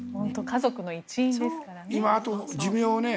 家族の一員ですからね。